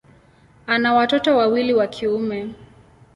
Ana watoto wawili wa kiume.